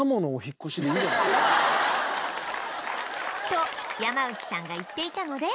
と山内さんが言っていたので